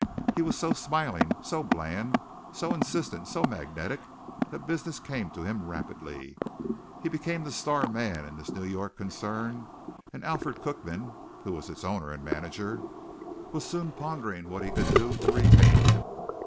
He was so smiling, so bland, so insistent, so magnetic, that business came to him rapidly. He became the star man in this New York concern and Alfred Cookman, who was its owner and manager, was soon pondering what he could do to retain him.